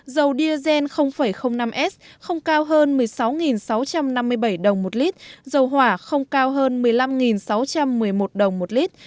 dầu diesel năm s không cao hơn một mươi sáu sáu trăm năm mươi bảy đồng một lít dầu hỏa không cao hơn một mươi năm sáu trăm một mươi một đồng một lít